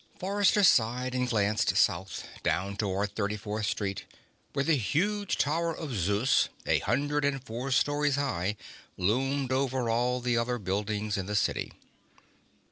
Forrester sighed and glanced south, down toward 34th Street, where the huge Tower of Zeus, a hundred and four stories high, loomed over all the other buildings in the city.